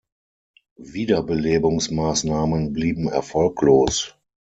Wiederbelebungsmaßnahmen blieben erfolglos.